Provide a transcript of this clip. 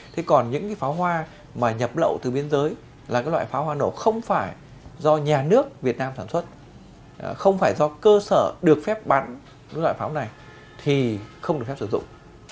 thế còn những cái pháo hoa mà nhập lậu từ biên giới là cái loại pháo hoa nổ không phải do nhà nước việt nam sản xuất không phải do cơ sở được phép bán loại pháo này thì không được phép sử dụng